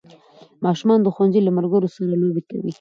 ماشومان د ښوونځي له ملګرو سره لوبې کوي